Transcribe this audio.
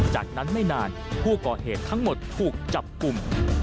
จากนั้นไม่นานผู้ก่อเหตุทั้งหมดถูกจับกลุ่ม